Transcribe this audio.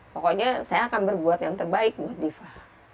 pokoknya saya akan berbuat yang terbaik buat diva